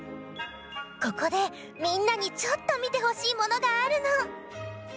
ここでみんなにちょっとみてほしいものがあるの！